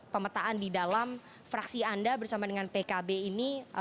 pemetaan di dalam fraksi anda bersama dengan pkb ini